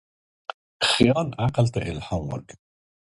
خیال عقل ته الهام ورکوي.